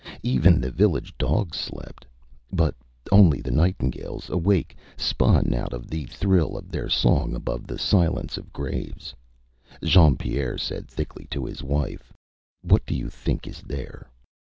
Even the village dogs slept. Only the nightingales, awake, spun out the thrill of their song above the silence of graves. Jean Pierre said thickly to his wife ÂWhat do you think is there?